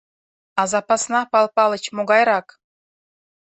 А запасна, Пал Палыч, могайрак?